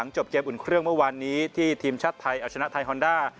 จบเกมอุ่นเครื่องเมื่อวานนี้ที่ทีมชาติไทยเอาชนะไทยฮอนด้า